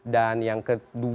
dan yang kedua